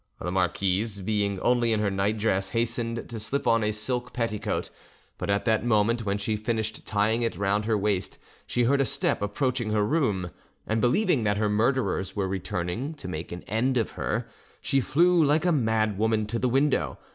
The marquise, being only in her nightdress, hastened to slip on a silk petticoat; but at the moment when she finished tying it round her waist she heard a step approaching her room, and believing that her murderers were returning to make an end of her, she flew like a madwoman to the window.